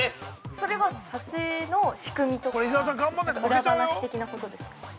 ◆それは撮影の仕組みとか、なんか裏話的なことですか。